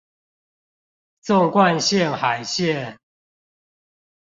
縱貫線海線